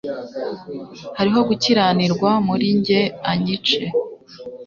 hariho gukiranirwa muri jye anyice